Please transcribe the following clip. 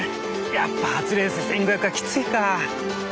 やっぱ初レース１，５００はきついか。